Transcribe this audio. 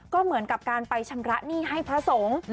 ก็เหมือนกับการไปชำระหนี้ให้พระสงฆ์